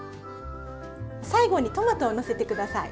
最後にトマトをのせて下さい。